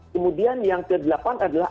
kemudian yang ke delapan adalah